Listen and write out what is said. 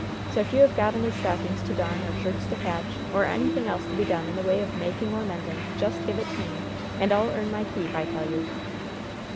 So, if you have got any stockings to darn, or shirts to patch, or anything else to be done in the way of making or mending, just give it to me, and I'll earn my keep, I tell you."